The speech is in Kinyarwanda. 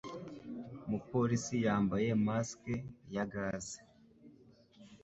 Umupolisi yambaye mask ya gaze.